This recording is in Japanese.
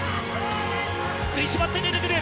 「食いしばって出てくる」。